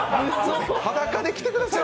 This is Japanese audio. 裸で来てください、